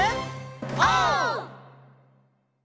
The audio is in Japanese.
オー！